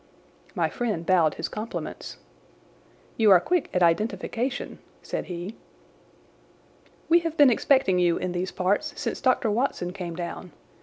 My friend bowed his compliments. "You are quick at identification," said he. "We have been expecting you in these parts since Dr. Watson came down.